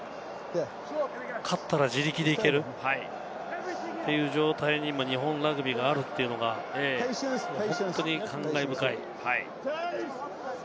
勝ったら自力で行けるという状態に今、日本ラグビーがあるっていうのが本当に感慨深い。